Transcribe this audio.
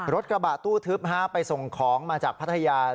รถกระบะตู้ทึบไปส่งของมาจากพัทยา